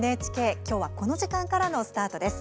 きょうはこの時間からのスタートです。